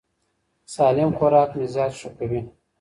سالم خوراک مزاج ښه کوي.